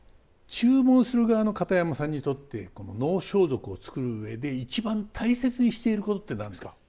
注文する側の片山さんにとって能装束を作る上で一番大切にしていることって何ですか？